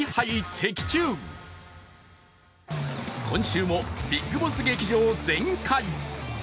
今週もビッグボス劇場全開。